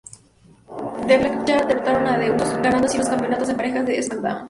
En Backlash, derrotaron a The Usos, ganando así los Campeonatos en Parejas de SmackDown.